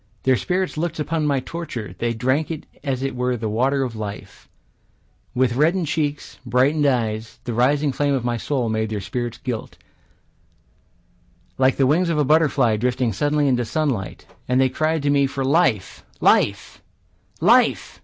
Their spirits looked upon my torture; They drank it as it were the water of life; With reddened cheeks, brightened eyes, The rising flame of my soul made their spirits gilt, Like the wings of a butterfly drifting suddenly into sunlight. And they cried to me for life, life, life.